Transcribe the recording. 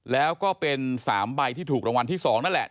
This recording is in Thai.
แล้วก็เป็น๓ใบที่ถูกรางวัลที่๒นั่นแหละ